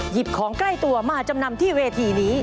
ของใกล้ตัวมาจำนำที่เวทีนี้